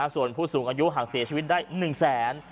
ส่วนผู้สูงอายุห่างเสียชีวิตได้๑๐๐๐๐๐บาท